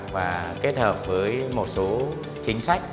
và kết hợp với một số chính sách